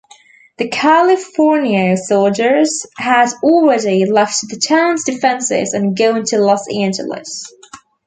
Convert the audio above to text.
The Californio soldiers had already left the town's defenses and gone to Los Angeles.